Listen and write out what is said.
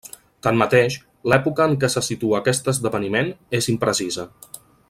Tanmateix, l'època en què se situa aquest esdeveniment és imprecisa.